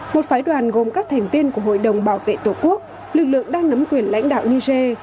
một phái đoàn gồm các thành viên của hội đồng bảo vệ tổ quốc lực lượng đang nắm quyền lãnh đạo niger